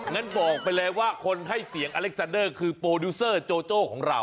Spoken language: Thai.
งั้นบอกไปเลยว่าคนให้เสียงอเล็กซาเดอร์คือโปรดิวเซอร์โจโจ้ของเรา